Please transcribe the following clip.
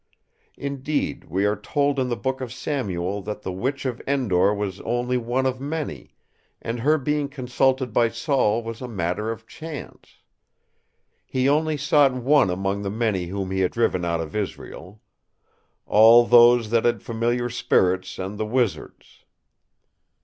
Indeed, we are told in the Book of Samuel that the Witch of Endor was only one of many, and her being consulted by Saul was a matter of chance. He only sought one among the many whom he had driven out of Israel; 'all those that had Familiar Spirits, and the Wizards.